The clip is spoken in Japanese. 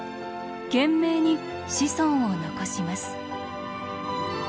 懸命に子孫を残します。